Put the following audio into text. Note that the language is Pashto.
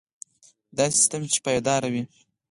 داسې سیستم چې پایدار وي.